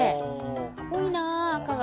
濃いなあ赤が。